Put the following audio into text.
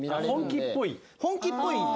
あっ本気っぽい？